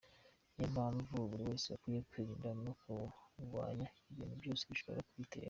Ni yo mpamvu buri wese akwiye kwirinda no kurwanya ikintu cyose gishobora kuyitera."